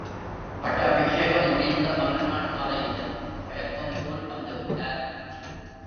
பட்டாபிஷேகம் முடிந்த மறுநாள் காலையிலும் வழக்கம் போல் வந்து விட்டார்.